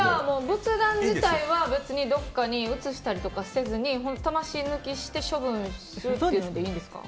仏壇自体は別にどこかに移したりとかせずに魂抜きをして処分するというのでいいんですか。